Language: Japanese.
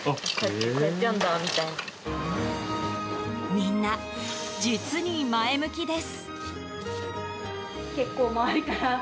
みんな、実に前向きです。